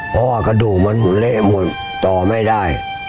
เพราะว่ากระดูกมันเละหมดต่อไม่ได้